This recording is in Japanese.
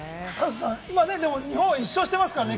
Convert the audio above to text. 今、日本は１勝していますからね。